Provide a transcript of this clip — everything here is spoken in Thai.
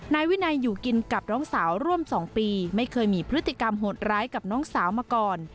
นายวินัยอยู่กินกับน้องสาวร่วม๒ปีไม่เคยมีพฤติกรรมโหดร้ายกับน้องสาวมาก่อน